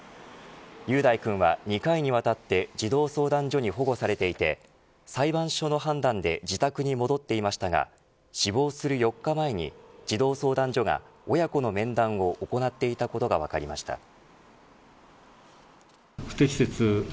雄大君は、２回にわたって児童相談所に保護されていて裁判所の判断で自宅に戻っていましたが死亡する４日前に児童相談所が親子の面談を行っていたことが分かりました。